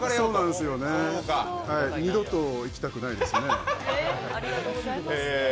二度と行きたくないですね。